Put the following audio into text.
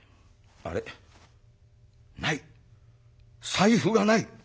財布がない。